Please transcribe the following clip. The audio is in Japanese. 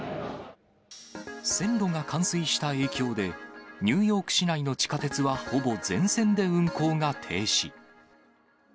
線路が冠水した影響で、ニューヨーク市内の地下鉄はほぼ全線で運行が停止。